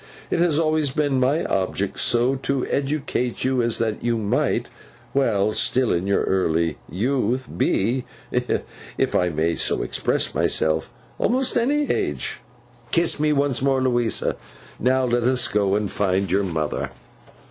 It has always been my object so to educate you, as that you might, while still in your early youth, be (if I may so express myself) almost any age. Kiss me once more, Louisa. Now, let us go and find your mother.